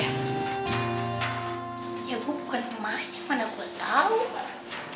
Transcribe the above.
ya gue bukan pemain mana gue tau